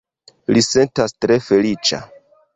Li sentas tre feliĉa